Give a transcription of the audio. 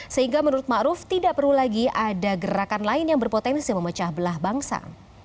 sehingga menurut ma'ruf tidak perlu lagi ada gerakan lain yang berpotensi memecah belah bangsa